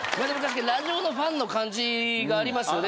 ⁉ラジオのファンの感じがありますよね